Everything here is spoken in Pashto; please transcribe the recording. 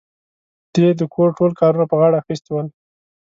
دې د کور ټول کارونه په غاړه اخيستي ول.